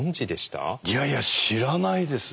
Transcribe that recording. いやいや知らないです